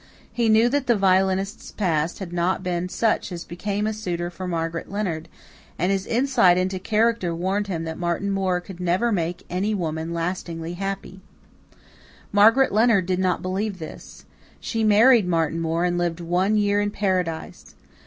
He knew that the violinist's past life had not been such as became a suitor for Margaret Leonard; and his insight into character warned him that Martin Moore could never make any woman lastingly happy. Margaret Leonard did not believe this. She married Martin Moore and lived one year in paradise.